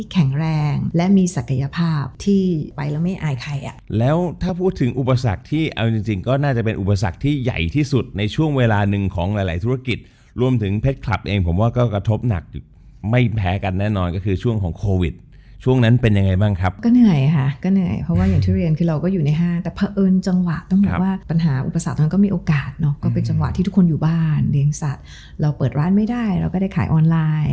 แข็งแรงและมีศักยภาพที่ไปแล้วไม่อายใครอ่ะแล้วถ้าพูดถึงอุปสรรคที่เอาจริงจริงก็น่าจะเป็นอุปสรรคที่ใหญ่ที่สุดในช่วงเวลาหนึ่งของหลายหลายธุรกิจรวมถึงเพชรคลับเองผมว่าก็กระทบหนักไม่แพ้กันแน่นอนก็คือช่วงของโควิดช่วงนั้นเป็นยังไงบ้างครับก็เหนื่อยฮะก็เหนื่อยเพราะว่าอย่